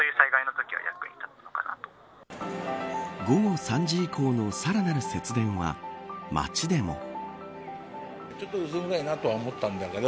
午後３時以降のさらなる節電は街でも。